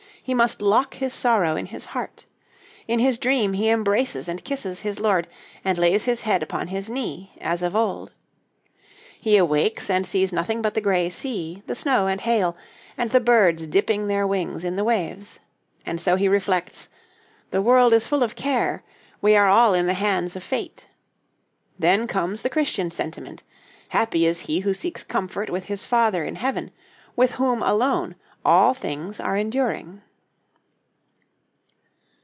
He must lock his sorrow in his heart. In his dream he embraces and kisses his lord, and lays his head upon his knee, as of old. He awakes, and sees nothing but the gray sea, the snow and hail, and the birds dipping their wings in the waves. And so he reflects: the world is full of care; we are all in the hands of Fate. Then comes the Christian sentiment: happy is he who seeks comfort with his Father in heaven, with whom alone all things are enduring.